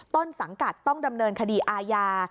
ต้นสังกัดต้องดำเนินคดีอาญา